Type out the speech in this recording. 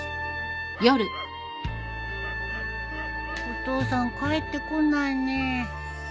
お父さん帰ってこないねえ。